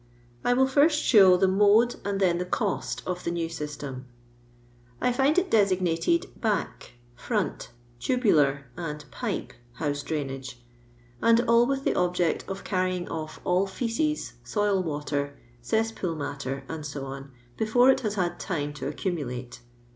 I will timt show the mode and then the cost of the new system. I find it designated " bwk," " firont," " tubu lar," and " pipe " house dninage, and all with the object of carrying off all tecei. Mil wvter, tern pool matter, &c., before it has bad time to un mulate.